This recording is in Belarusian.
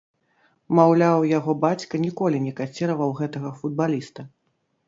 Маўляў, яго бацька ніколі не каціраваў гэтага футбаліста.